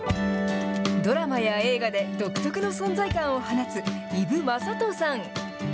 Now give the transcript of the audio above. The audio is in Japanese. ドラマや映画で独特の存在感を放つ、伊武雅刀さん。